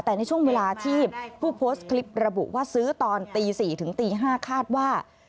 แต่ในช่วงเวลาที่ผู้โพสต์คลิประบุว่าซื้อตอนตี๔ถึงตี๕คาดว่า